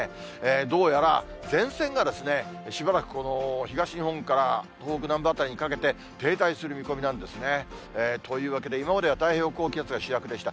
どうやら前線がしばらくこの東日本から東北南部辺りにかけて、停滞する見込みなんですね。というわけで、今までは太平洋高気圧が主役でした。